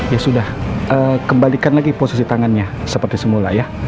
ya sudah kembalikan lagi posisi tangannya seperti semula ya